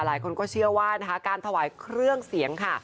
หลายคนก็เชื่อว่านะคะการถวายเครื่องเสียงค่ะ